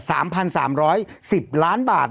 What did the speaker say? สามพันสามร้อยสิบล้านบาท